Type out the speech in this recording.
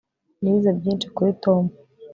Nize byinshi kuri Tom